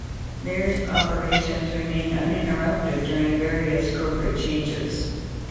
"There"'s operations remained uninterrupted during the various corporate changes.